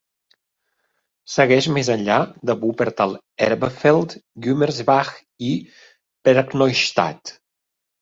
Segueix més enllà de Wuppertal-Elberfeld, Gummersbach i Bergneustadt.